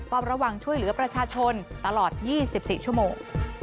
ระวังช่วยเหลือประชาชนตลอด๒๔ชั่วโมง